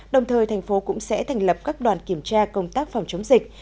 đồng thời thành phố cũng sẽ thành lập các đoàn kiểm tra công tác phòng chống dịch